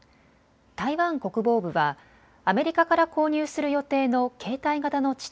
台湾国防部はアメリカから購入する予定の携帯型の地